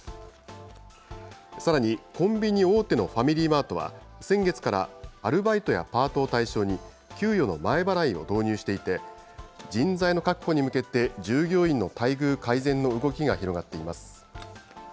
さらに、コンビニ大手のファミリーマートは、先月からアルバイトやパートを対象に給与の前払いを導入していて、人材の確保に向けて、従業員の待遇改善の動きが広がっています。